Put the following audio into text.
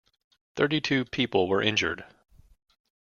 Thirty-two people were injured.